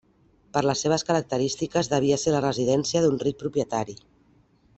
Per les seves característiques devia ser la residència d'un ric propietari.